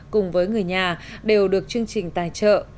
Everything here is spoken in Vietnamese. cùng với người nhà đều được chương trình tài trợ